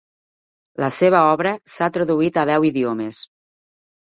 La seva obra s'ha traduït a deu idiomes.